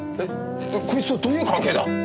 こいつとどういう関係だ？